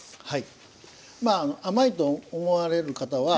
はい。